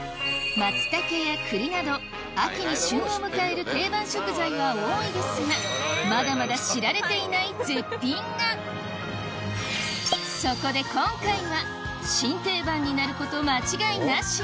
松茸や栗など秋に旬を迎える定番食材は多いですがまだまだ知られていない絶品がそこで今回は新定番になること間違いなし？